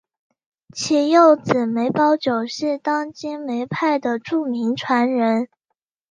其幼子梅葆玖是当今梅派的著名传人。